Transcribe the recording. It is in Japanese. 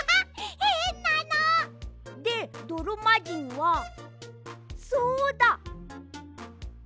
へんなの！でどろまじんはそうだ！